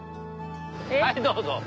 はいどうぞ。